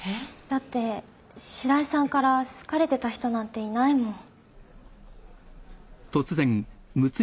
だって白井さんから好かれてた人なんていないもん。